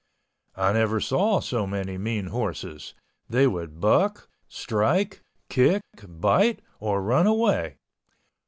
I never saw so many mean horses—they would buck, strike, kick, bite, or run away.